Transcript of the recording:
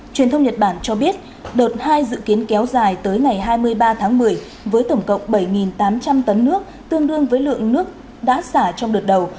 truyền thông nhật bản cho biết đợt hai dự kiến kéo dài tới ngày hai mươi ba tháng một mươi với tổng cộng bảy tám trăm linh tấn nước tương đương với lượng nước đã xả trong đợt đầu